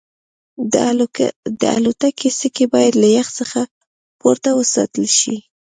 د الوتکې سکي باید له یخ څخه پورته وساتل شي